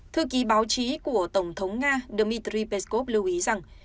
thư ký báo chí của tổng thống nga dmitry peskov lưu ý rằng